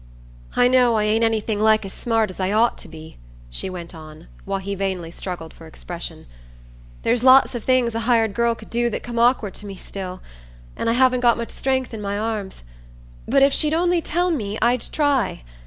"I know I ain't anything like as smart as I ought to be," she went on, while he vainly struggled for expression. "There's lots of things a hired girl could do that come awkward to me still and I haven't got much strength in my arms. But if she'd only tell me I'd try.